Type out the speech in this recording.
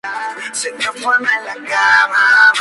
Con tres anotaciones de Genaro Torres y un gol de Raúl Ramos.